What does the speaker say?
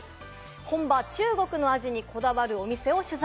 本場・中国の味にこだわるお店を取材。